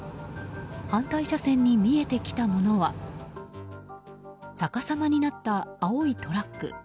反対車線に見えてきたものは逆さまになった、青いトラック。